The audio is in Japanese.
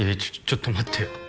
ちょっと待ってよ